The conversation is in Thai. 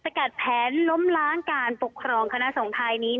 สังกัดแผลลมล้างการปกครองคณสงพันธ์ทายนี้